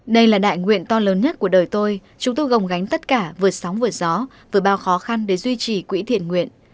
đây là đại nguyện to lớn nhất của đời tôi chúng tôi gồng gánh tất cả vượt sóng vượt gió với bao khó khăn để duy trì quỹ thiện nguyện